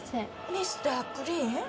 ミスタークリーン？